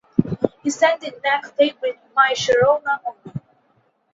He sang the Knack favorite "My Sharona" only.